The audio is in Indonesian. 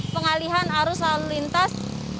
pengalihan arus lalu lintas